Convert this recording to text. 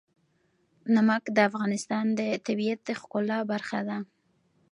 نمک د افغانستان د طبیعت د ښکلا برخه ده.